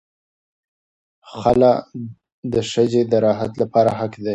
خلع د ښځې د راحت لپاره حق دی.